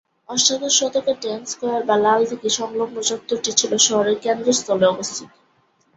অষ্টাদশ শতকে tank square বা লালদিঘি-সংলগ্ন চত্বরটি ছিল ‘শহরের কেন্দ্রস্থলে অবস্থিত’।